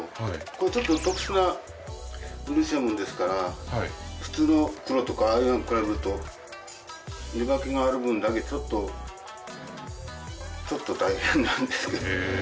これちょっと特殊な漆なもんですから普通の黒とかああいうのに比べると粘り気ある分だけちょっとちょっと大変なんです。